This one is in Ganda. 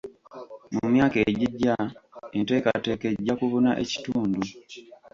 Mu myaka egijja enteekateeka ejja kubuna ekitundu.